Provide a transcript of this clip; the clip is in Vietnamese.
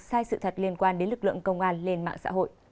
sai sự thật liên quan đến lực lượng công an lên mạng xã hội